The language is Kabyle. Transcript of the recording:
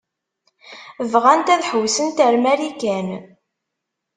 Bɣant ad hewwsent ar Marikan.